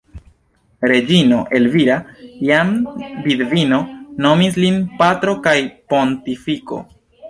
Reĝino Elvira, jam vidvino, nomis lin "patro kaj pontifiko".